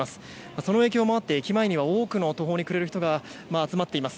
その影響もあって駅前には多くの途方に暮れる人が集まっています。